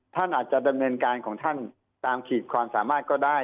ท่านอาจจะดำเนินการของท่านตามขีดความสามารถก็ได้